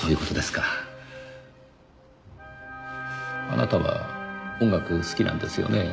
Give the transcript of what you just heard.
あなたは音楽好きなんですよね？